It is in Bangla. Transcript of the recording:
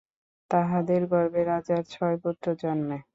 তাহাদের গর্ভে রাজার ছয় পুত্র জন্মে।